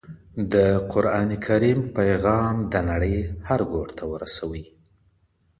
د قران پیغام د نړۍ هر ګوټ ته ورسوئ.